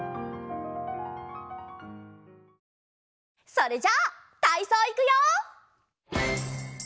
それじゃたいそういくよ！